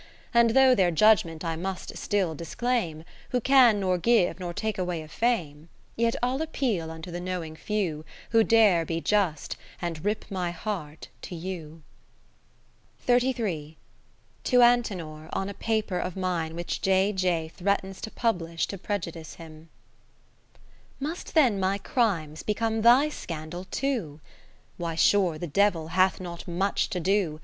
And though their judgement I must still disclaim, Who can nor give nor take away a fame : Yet I'll appeal unto the knowing few, Who dare be just, and rip my heart to you. To Antenor^ on a Paper of mine which J. J. threatens to pubHsh to prejudice him Must then my crimes become thy scandal too ? Why, sure the Devil hath not much to do.